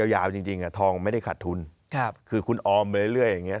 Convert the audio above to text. ยาวจริงทองไม่ได้ขาดทุนคือคุณออมไปเรื่อยอย่างเงี้